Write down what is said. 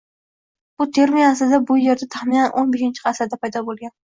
Bu termin aslida shu yerda taxminan o‘n beshinchi asrda paydo bo'lgan